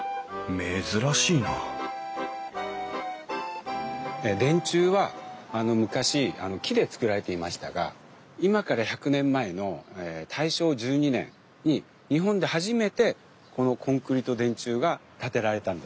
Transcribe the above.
珍しいな電柱は昔木で造られていましたが今から１００年前の大正１２年に日本で初めてこのコンクリート電柱が建てられたんです。